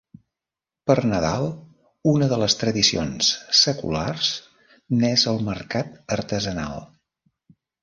Per Nadal, una de les tradicions seculars n'és el mercat artesanal.